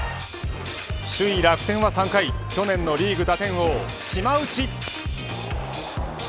首位楽天は３回去年のリーグ打点王、島内。